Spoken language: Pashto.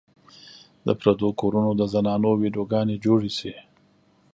د پردو کورونو د زنانو ويډيو ګانې جوړې شي